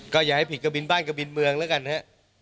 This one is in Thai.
ก็อย่าให้ผิดกระบินบ้านกระบินเมืองแล้วกันฮะ